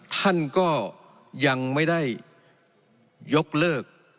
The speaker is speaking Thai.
ท่านก็ยังไม่ได้ยกเลิก